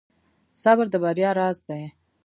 • صبر د بریا راز دی.